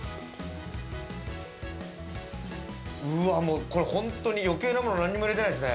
うわ、これ本当に余計なもの何も入れてないですね。